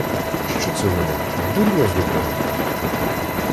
Що це вони, дурня з нього роблять?